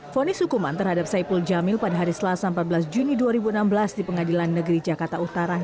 fonis hukuman terhadap saipul jamil pada hari selasa empat belas juni dua ribu enam belas di pengadilan negeri jakarta utara